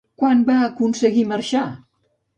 Quan va aconseguir marxar?